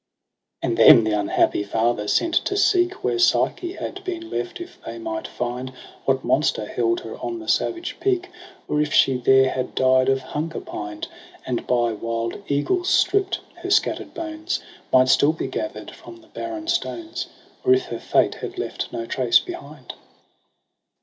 iiz EROS 6 PSYCHE 3 And them the uahappy father sent to seek Where Psyche had been left, if they might find What monster held her on the savage peak j Or if she there had died of hunger pined. And, by wild eagles stript, her scatter'd bones Might still be gather'd from the barren stones ; Or if her fate had left no trace behind.